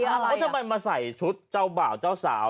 ถ้าเธอไปมาใส่ชุดเจ้าบ่าวเจ้าสาว